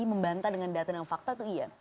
membantah dengan data dan fakta itu iya